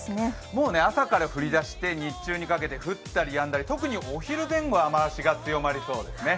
もう朝から降りだして、日中にかけて、降ったりやんだり特にお昼前後、雨足が強まりそうですね。